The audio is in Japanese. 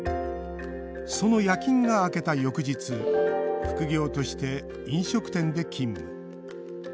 その夜勤が明けた翌日副業として飲食店で勤務。